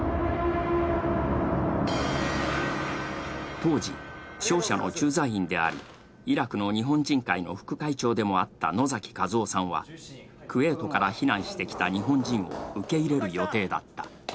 当時、商社の駐在員であり、イラクの日本人会の副会長でもあった野崎和夫さんはクウェートから避難してきた日本人を受け入れる予定だった。